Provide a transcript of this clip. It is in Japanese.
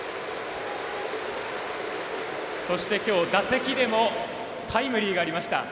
そして今日、打席でもタイムリーがありました。